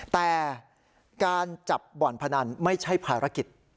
แต่การจับบ่อนพนันไม่ใช่ภารกิจ